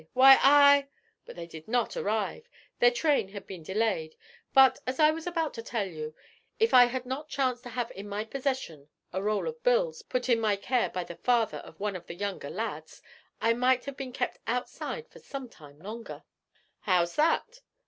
Why, I ' 'But they did not arrive; their train had been delayed. But, as I was about to tell you, if I had not chanced to have in my possession a roll of bills, put in my care by the father of one of the younger lads, I might have been kept outside for some time longer.' 'How's that?'